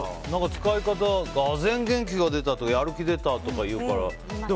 使い方がぜん元気が出たとかやる気出たとかって言うから。